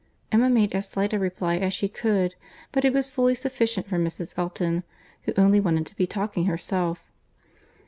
Emma made as slight a reply as she could; but it was fully sufficient for Mrs. Elton, who only wanted to be talking herself.